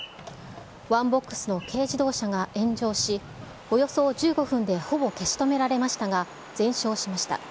ワンボックスの軽自動車が炎上し、およそ１５分でほぼ消し止められましたが、全焼しました。